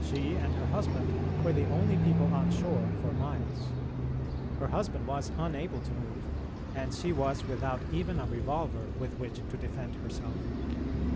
She and her husband were the only people on shore for miles; her husband was unable to move, and she was without even a revolver with which to defend herself.